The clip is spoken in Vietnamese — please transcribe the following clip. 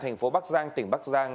thành phố bắc giang tỉnh bắc giang